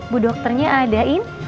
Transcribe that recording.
bu dokternya ada im